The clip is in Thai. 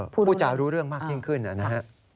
ผู้จารู้เรื่องมากยิ่งขึ้นนะฮะ